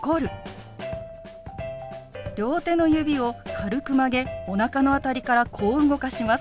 両手の指を軽く曲げおなかの辺りからこう動かします。